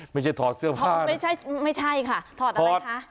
ไม่ใช่ถอดเสื้อผ้าไม่ใช่ไม่ใช่ค่ะถอดอะไรคะ